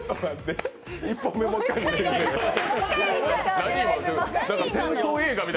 １本目もう１回見たい。